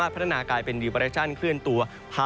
แถว